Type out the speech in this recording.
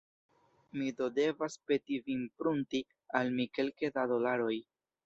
Mi do devas peti vin prunti al mi kelke da dolaroj.